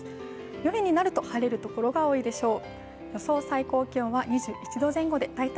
夜になると晴れるところが多いでしょう。